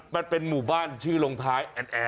มันเป็นหมู่บ้านชื่อลงท้ายแอนแอร์